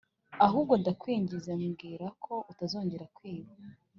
ahubwo ndakwinginze mbwira ko utazongera kwiba